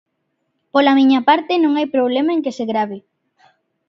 Pola miña parte non hai problema en que se grave.